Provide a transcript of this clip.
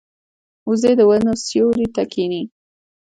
وزې د ونو سیوري ته کیني